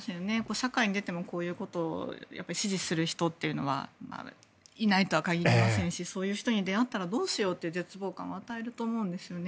社会に出ても、こういうことを指示する人っていうのはいないとは限りませんしそういう人に出会ったらどうしようと絶望感を与えると思うんですよね。